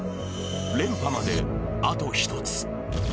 連覇まで、あと１つ。